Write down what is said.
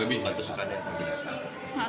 lebih dari satu